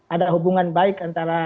ada hubungan baik antara